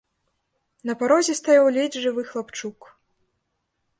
На парозе стаяў ледзь жывы хлапчук.